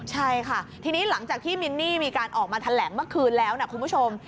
ใช่ค่ะทีนี้หลังจากที่มินนี่มีการออกมาแถลงเมื่อคืนแล้วนะคุณผู้ชม